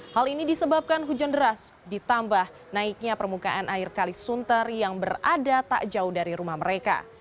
hal ini disebabkan hujan deras ditambah naiknya permukaan air kalisunter yang berada tak jauh dari rumah mereka